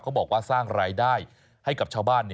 บอกว่าสร้างรายได้ให้กับชาวบ้าน